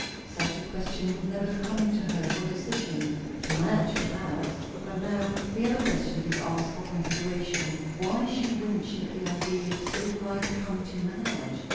Such a question would never come to her for decision. To Madge, perhaps? But now the other question did ask for consideration; Why she winced at the idea that it might come to Madge?